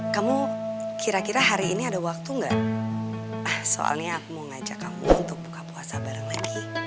kamu kira kira hari ini ada waktu gak soalnya aku mau ngajak kamu untuk buka puasa bareng lagi